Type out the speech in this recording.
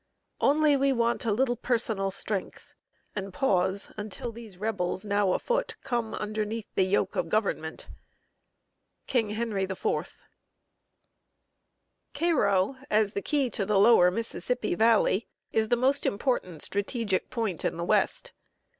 Only we want a little personal strength, And pause until these Rebels, now afoot, Come underneath the yoke of Government. KING HENRY IV. Cairo, as the key to the lower Mississippi valley, is the most important strategic point in the West.